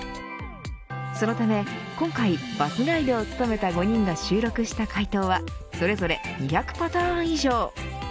そのため今回バスガイドを務めた５人が収録した回答はそれぞれ２００パターン以上。